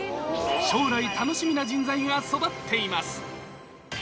将来、楽しみな人材が育っています。